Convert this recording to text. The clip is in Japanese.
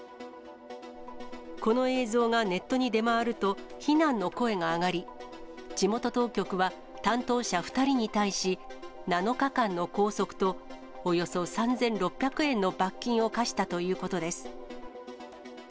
この映像がネットに出回ると、非難の声が上がり、地元当局は担当者２人に対し、７日間の拘束とおよそ３６００円の罰金を科したということです。